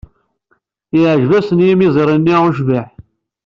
Yeɛjeb-asen yimeẓri-nni ucbiḥ.